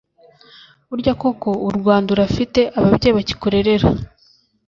burya koko urwanda urafite ababyeyi bakikurerera